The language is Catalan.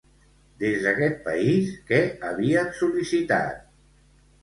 Des d'aquest país, què havien sol·licitat?